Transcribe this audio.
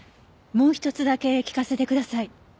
もう一つだけ聞かせてください。